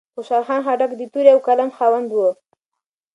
خوشال خان خټک د تورې او قلم خاوند و.